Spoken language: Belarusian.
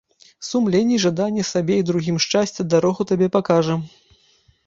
Сумленне і жаданне сабе і другім шчасця дарогу табе пакажа.